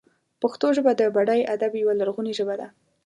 پښتو ژبه د بډای ادب یوه لرغونې ژبه ده.